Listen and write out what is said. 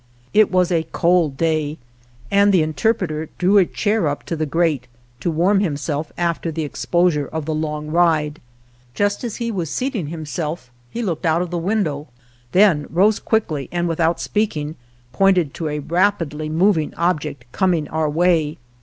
It was a cold day and the interpreter drew a chair up to the grate to warm himself after the ex posure of the long ride. Just as he was seating himself he looked out of the window, then rose quickly, and without speaking pointed to a rapidly moving object coming our way.